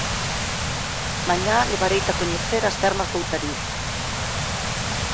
Mañá levareite a coñecer as termas de Outariz